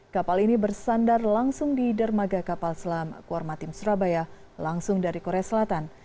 kapal ini bersandar langsung di dermaga kapal selam kuarmatim surabaya langsung dari korea selatan